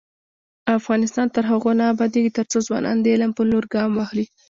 افغانستان تر هغو نه ابادیږي، ترڅو ځوانان د علم په لور ګام واخلي.